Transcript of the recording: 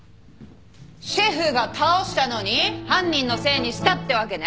シェフが倒したのに犯人のせいにしたってわけね。